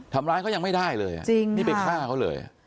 ทำร้ายเขายังไม่ได้เลยนี่ไปฆ่าเขาเลย